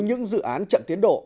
những dự án chậm tiến độ